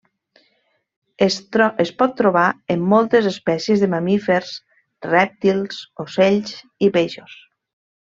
Es pot trobar en moltes espècies de mamífers, rèptils, ocells i peixos.